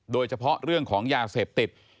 โดยเฉพาะเรื่องของยาเสพติด